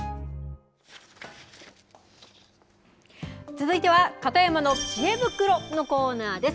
続いては、片山のちえ袋のコーナーです。